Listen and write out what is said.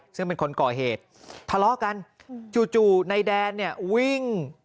ซึ่งเป็นคนก่อเหตุทะเลาะกันจู่นายแดนเนี่ยวิ่ง